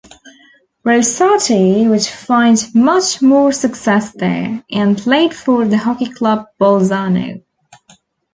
Rosati would find much more success there, and played for the Hockey Club Bolzano.